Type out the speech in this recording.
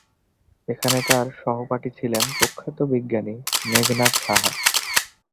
এখানে তার সহপাঠী ছিলেন প্রখ্যাত বিজ্ঞানী মেঘনাদ সাহা।